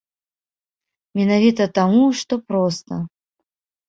Менавіта таму, што проста.